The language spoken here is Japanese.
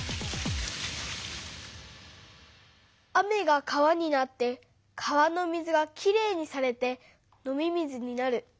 雨が川になって川の水がきれいにされて飲み水になる。